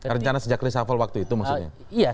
rencana sejak reshuffle waktu itu maksudnya